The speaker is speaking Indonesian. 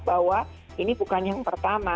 bahwa ini bukan yang pertama